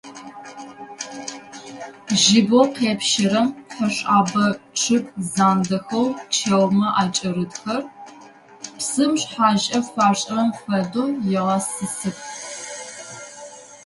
Жьыбгъэу къепщэрэм пхъэшъэбэ чъыг зандэхэу чэумэ акӀэрытхэр, псым шъхьащэ фашӀырэм фэдэу, егъэсысых.